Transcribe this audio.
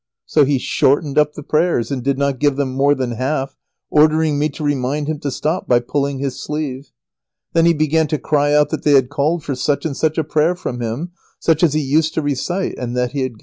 So he shortened up the prayers and did not give them more than half, ordering me to remind him to stop by pulling his sleeve. Then he began to cry out that they had called for such and such a prayer from him, such as he used to recite, and that he had given it.